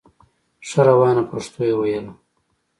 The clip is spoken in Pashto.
ښه روانه پښتو یې ویله